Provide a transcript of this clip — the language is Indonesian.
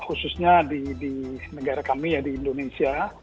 khususnya di negara kami ya di indonesia